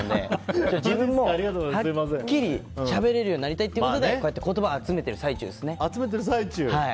自分もはっきりしゃべれるようになりたいということで言葉を集めている最中ですね。